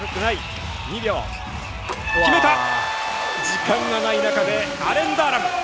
時間はない中でアレン・ダーラム！